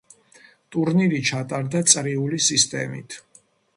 ტურნირი ჩატარდა წრიული სისტემით.